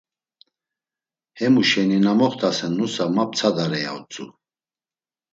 Hemuşeni na moxtasen nusa ma ptsadare ya utzu.